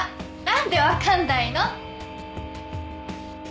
何でわかんないの？